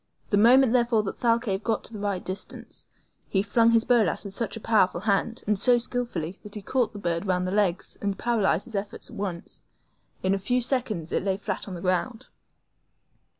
The moment, therefore, that Thalcave got to a right distance, he flung his BOLAS with such a powerful hand, and so skillfully, that he caught the bird round the legs and paralyzed his efforts at once. In a few seconds it lay flat on the ground.